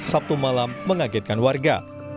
sabtu malam mengagetkan warga